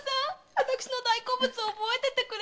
私の大好物を覚えててくれたんだ！